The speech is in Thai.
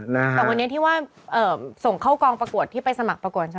แต่วันนี้ที่ว่าส่งเข้ากองประกวดที่ไปสมัครประกวดใช่ไหม